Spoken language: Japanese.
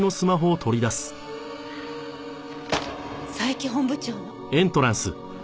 佐伯本部長の？